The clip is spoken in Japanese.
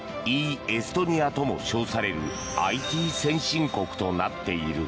エストニアとも称されるＩＴ先進国となっている。